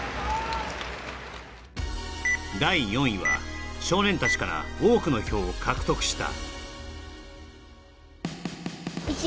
第４位は少年たちから多くの票を獲得した